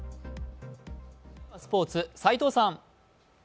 スポーツ、齋藤さん。